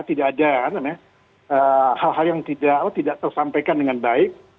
tidak ada hal hal yang tidak tersampaikan dengan baik